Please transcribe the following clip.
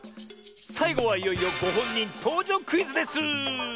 さいごはいよいよごほんにんとうじょうクイズです。